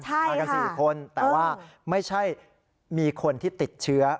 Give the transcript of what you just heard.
มากัน๔คนแต่ว่าไม่ใช่มีคนที่ติดเชื้อ